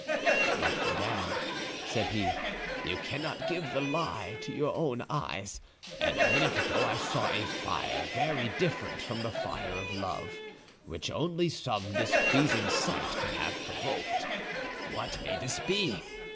"But, madame," said he, "you cannot give the lie to your own eyes; and a minute ago I saw a fire very different from the fire of love, which only some displeasing sight can have provoked. What may this be?